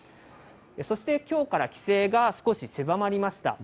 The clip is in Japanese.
そしてきょうから規制が少し狭まりました。